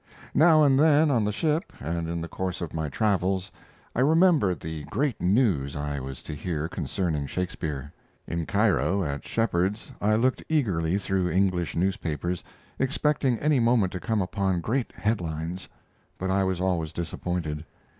Now and then on the ship, and in the course of my travels, I remembered the great news I was to hear concerning Shakespeare. In Cairo, at Shepheard's, I looked eagerly through English newspapers, expecting any moment to come upon great head lines; but I was always disappointed.